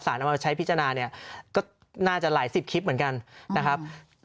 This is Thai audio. เอามาใช้พิจารณาเนี่ยก็น่าจะหลายสิบคลิปเหมือนกันนะครับ